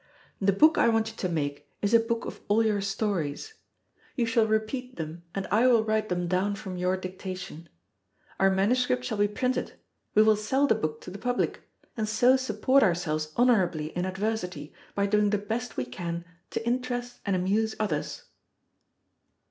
The book I want you to make is a book of all your stories. You shall repeat them, and I will write them down from your dictation. Our manuscript shall be printed; we will sell the book to the public, and so support ourselves honorably in adversity, by doing the best we can to interest and amuse others."